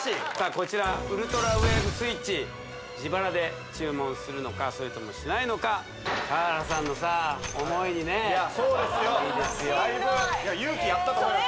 こちらウルトラウェーブスイッチ自腹で注文するのかそれともしないのか河原さんのさ思いにねいやそうですよだいぶいや勇気あったと思います